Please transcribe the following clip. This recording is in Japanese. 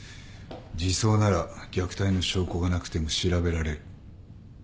児相なら虐待の証拠がなくても調べられる。